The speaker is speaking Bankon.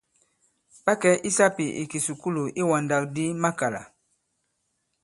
Ɓa kɛ̀ i sāpì ì kìsukulù iwàndàkdi makàlà.